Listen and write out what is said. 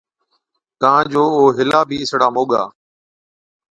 ڪان جو او هِلا بِي ڪهِين اِسڙا موڳا۔